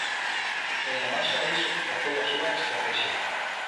E en base a iso trazou a súa estratexia.